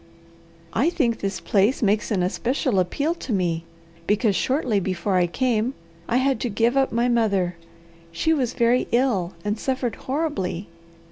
"I think this place makes an especial appeal to me, because, shortly before I came, I had to give up my mother. She was very ill and suffered horribly.